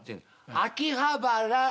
秋葉原。